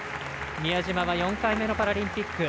宮島は４回目のパラリンピック。